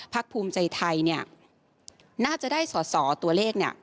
พักภูมิใจไทยน่าจะได้สอดสอตัวเลข